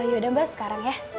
yaudah mbak sekarang ya